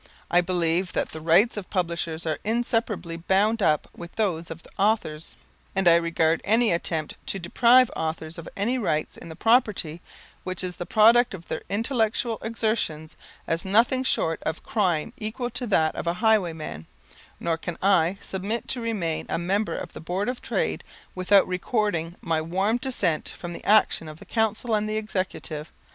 I believe that the rights of publishers are inseparably bound up with those of authors, and I regard any attempt to deprive authors of any rights in the property which is the product of their intellectual exertions as "nothing short of a crime equal to that of a highwayman," nor can I submit to remain a member of the Board of Trade without recording my warm dissent from the action of the Council and the Executive.